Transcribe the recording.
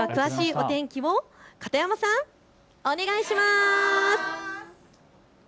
では詳しいお天気を片山さん、お願いします。